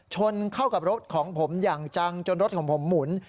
ชนเข้ากับรถของผมอย่างจังจนรถของผมหมุน